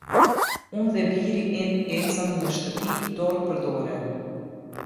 Unë dhe biri in ecëm në shtëpi, dorë për dore.